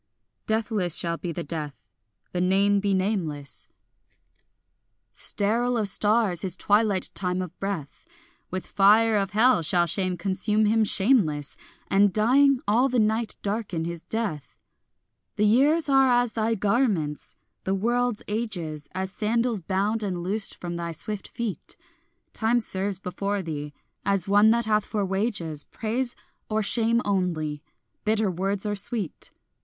Deathless shall be the death, the name be nameless; Sterile of stars his twilight time of breath; With fire of hell shall shame consume him shameless, And dying, all the night darken his death. The years are as thy garments, the world's ages As sandals bound and loosed from thy swift feet; Time serves before thee, as one that hath for wages Praise or shame only, bitter words or sweet.